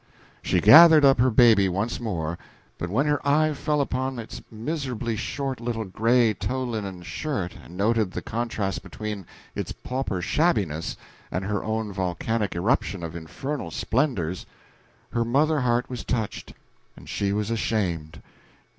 She gathered up her baby once more; but when her eye fell upon its miserably short little gray tow linen shirt and noted the contrast between its pauper shabbiness and her own volcanic irruption of infernal splendors, her mother heart was touched, and she was ashamed.